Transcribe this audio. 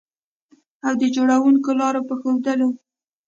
او د جوړوونکو لارو په ښودلو